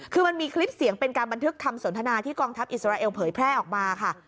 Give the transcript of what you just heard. คือมันมีคลิปเสียงเป็นการบันทึกคำสนทนาที่กองทัพอิสราเอลเผยแพร่ออกมาค่ะ